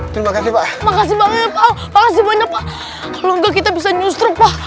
terima kasih pak makasih banget makasih banyak pak kalau enggak kita bisa nyustruk pak